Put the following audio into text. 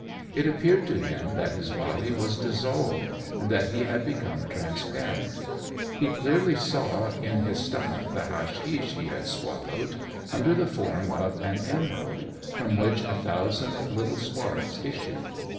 It appeared to him that his body was dissolved, and that he had become transparent. He clearly saw in his stomach the hashish he had swallowed, under the form of an emerald, from which a thousand little sparks issued.